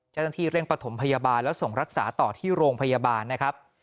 เจ้าหน้าที่เร่งประถมพยาบาลแล้วส่งรักษาต่อที่โรงพยาบาลนะครับ